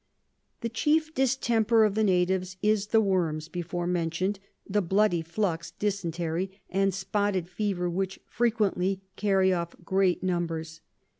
The chief Distemper of the Natives is the Worms before mention'd, the bloody Flux [dysentery] and spotted Fever, which frequently carry off great numbers.